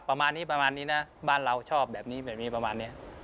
ประมาณนี้นะบ้านเราชอบแบบนี้ประมาณนี้